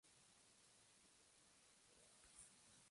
Está afiliado a la Internacional Socialista.